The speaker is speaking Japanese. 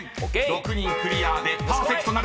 ６人クリアでパーフェクトなるか］